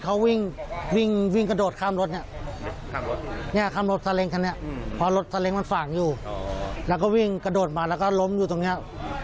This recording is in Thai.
คนที่โดดยิงเขาวิ่งกระโดดข้ามรถนี่